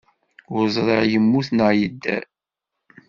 Ur ẓriɣ yemmut neɣ yedder.